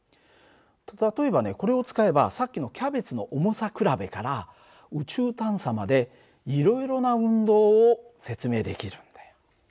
例えばねこれを使えばさっきのキャベツの重さ比べから宇宙探査までいろいろな運動を説明できるんだよ。